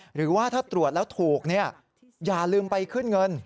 หรือว่าถ้าตรวจแล้วถูกอย่าลืมไปขึ้นเงิน